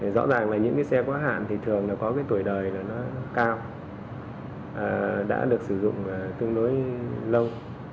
rõ ràng là những cái xe quá hạn thì thường là có cái tuổi đời là nó cao đã được sử dụng tương đối lâu